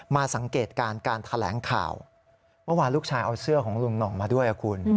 สังเกตการณ์การแถลงข่าวเมื่อวานลูกชายเอาเสื้อของลุงหน่องมาด้วยคุณ